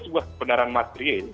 sebuah kebenaran materi